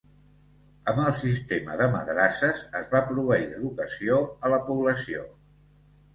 Amb el sistema de madrasses es va proveir d'educació a la població.